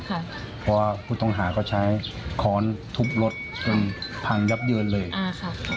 เพราะว่าผู้ต้องหาก็ใช้ค้อนทุบรถจนพังยับเยินเลยอ่าค่ะ